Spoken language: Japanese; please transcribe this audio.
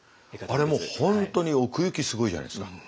あれもう本当に奥行きすごいじゃないですか。